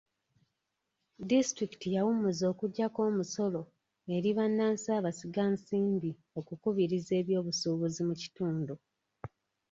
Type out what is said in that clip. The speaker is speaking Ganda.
Disitulikiti yawummuza okugyako omusolo eri bannansi abasiga nsimbi okukubiriza eby'obusuubuzi mu kitundu.